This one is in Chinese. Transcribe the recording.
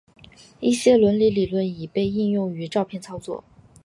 一些伦理理论已被应用于照片操作。